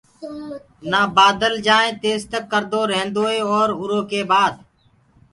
نآ بدل جآئي تيستآئين ڪردو ريهيندوئي اُرو ڪي بآد